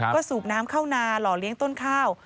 ก็สูบน้ำเข้านาหล่อเลี้ยงต้นข้าว